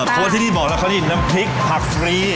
เพราะว่าที่นี่บอกแล้วเขานี่น้ำพริกผักฟรี